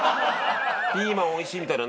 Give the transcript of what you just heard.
「ピーマン美味しい」みたいな